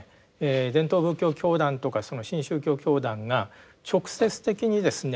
伝統仏教教団とか新宗教教団が直接的にですね